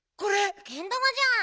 けん玉じゃん。